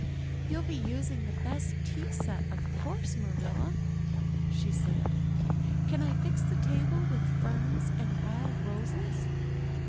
"You'll be using the best tea set, of course, Marilla," she said. "Can I fix the table with ferns and wild roses?"